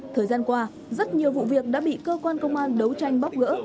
thời gian qua rất nhiều vụ việc đã bị cơ quan công an đấu tranh bóc gỡ